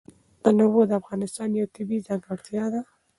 تنوع د افغانستان یوه طبیعي ځانګړتیا ده.